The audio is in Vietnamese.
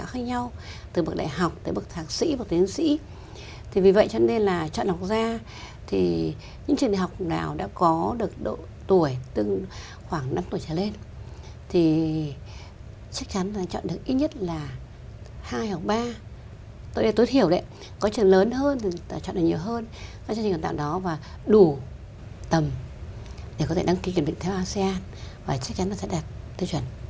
khoảng năm tuổi trở lên thì chắc chắn chúng ta chọn được ít nhất là hai hoặc ba tối đa tối thiểu đấy có trường lớn hơn chúng ta chọn được nhiều hơn có chương trình hoàn toàn đó và đủ tầm để có thể đăng ký kiểm định theo asean và chắc chắn chúng ta sẽ đạt tiêu chuẩn